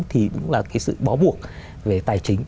thì cũng là cái sự bó buộc về tài chính